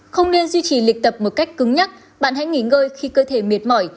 không nên duy trì lịch tập một cách cứng nhất bạn hãy nghỉ ngơi khi cơ thể miệt mỏi